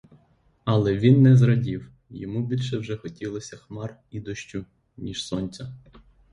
Але він не зрадів: йому більше вже хотілося хмар і дощу, ніж сонця.